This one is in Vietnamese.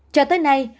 cho tới nay